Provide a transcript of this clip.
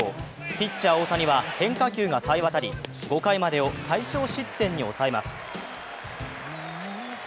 ピッチャー大谷は変化球がさえ渡り５回までを最少失点に抑えます。